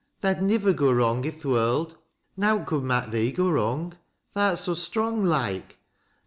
Tha'd nivver go wrong i' th' world. Kowt could mak' thee go wrong. Tha'rt so strong like, Ar. tha'.'